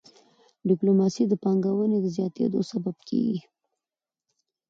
ډيپلوماسي د پانګوني د زیاتيدو سبب کېږي.